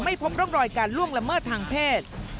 พบร่องรอยการล่วงละเมิดทางเพศ